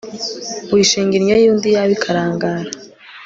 wishinga innyo y'undi iyawe ikarangara